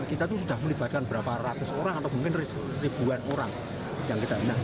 kita itu sudah melibatkan berapa ratus orang atau mungkin ribuan orang yang kita hina